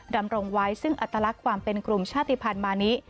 ดำรงไว้ซึ่งอัตลักษณ์ความเป็นกลุ่มชาติภัณฑ์มานิ